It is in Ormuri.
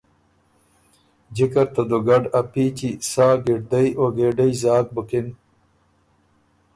جکه ر ته دُوګډ ا پيچی سا ګِړدئ او ګېډئ زاک بُکِن